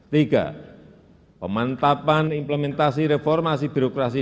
tiga pemantapan implementasi reformasi birokrasi